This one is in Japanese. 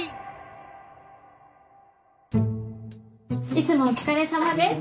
いつもお疲れさまです。